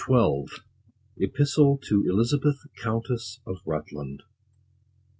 110 XII. — EPISTLE TO ELIZABETH COUNTESS OF RUTLAND.